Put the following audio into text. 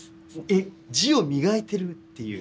えっ字を磨いてるっていう？